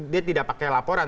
dia tidak pakai laporan